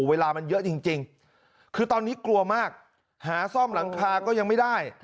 เวลามันเยอะจริงคือตอนนี้กลัวมากหาซ่อมหลังคาก็ยังไม่ได้